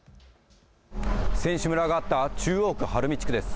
選手村があった中央区晴海地区です。